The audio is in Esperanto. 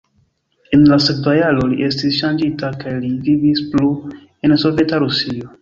En la sekva jaro li estis ŝanĝita kaj li vivis plu en Soveta Rusio.